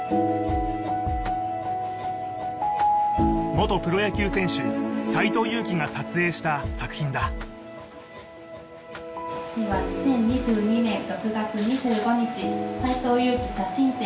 元プロ野球選手斎藤佑樹が撮影した作品だでは２０２２年６月２５日斎藤佑樹写真展